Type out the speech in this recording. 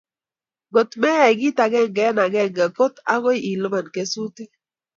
Ngot meyai kit agenge eng agenge ko agoi ilipan kesutik